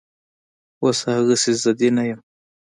اوس هغسې ضدي نه یم